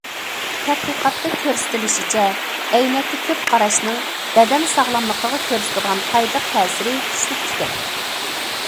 تەتقىقاتتا كۆرسىتىلىشىچە، ئەينەككە كۆپ قاراشنىڭ بەدەن ساغلاملىقىغا كۆرسىتىدىغان پايدىلىق تەسىرى كۈچلۈك ئىكەن.